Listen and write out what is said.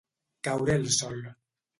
Caure el sol.